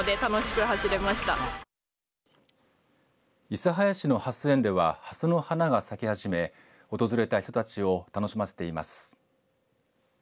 諫早市のハス園ではハスの花が咲き始め訪れた人たちを楽しませています。